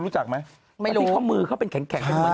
จ่อนหน้าแล้วรับหลัง